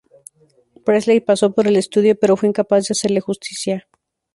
Presley pasó por el estudio, pero fue incapaz de hacerle justicia.